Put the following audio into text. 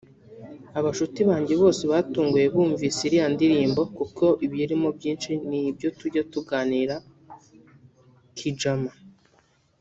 Abashuti banjye bose batunguwe bumvise iriya ndirimbo kuko ibiyirimo byinshi ni ibyo tujya tuganira kijama…”